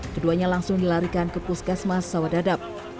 keduanya langsung dilarikan ke puskesmas sawadadap